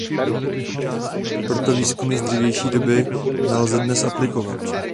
Proto výzkumy z dřívější doby nelze dnes aplikovat.